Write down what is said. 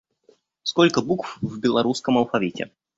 Сколько букв в белорусском алфавите?